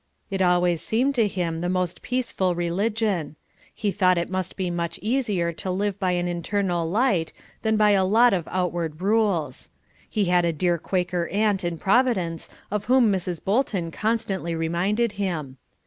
It always seemed to him the most peaceful religion; he thought it must be much easier to live by an internal light than by a lot of outward rules; he had a dear Quaker aunt in Providence of whom Mrs. Bolton constantly reminded him.